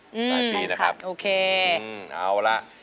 หลายปีนะครับ